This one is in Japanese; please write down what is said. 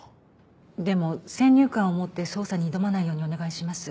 でも先入観を持って捜査に挑まないようにお願いします。